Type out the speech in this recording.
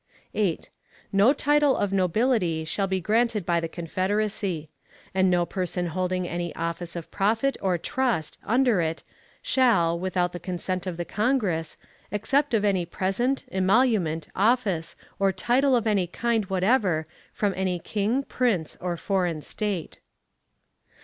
8. No title of nobility shall be granted by the Confederacy; and no person holding any office of profit or trust under it shall, without the consent of the Congress, accept of any present, emolument, office, or title of any kind whatever from any king, prince, or foreign state.